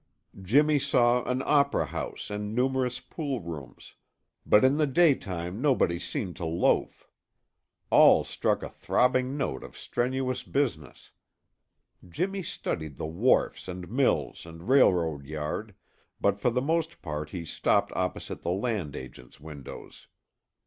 Jimmy saw an opera house and numerous pool rooms, but in the daytime nobody seemed to loaf. All struck a throbbing note of strenuous business. Jimmy studied the wharfs and mills and railroad yard, but for the most part he stopped opposite the land agents' windows.